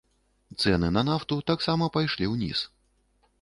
Цэны на нафту таксама пайшлі ўніз.